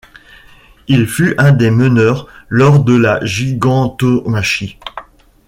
Il fut un des meneurs lors de la gigantomachie.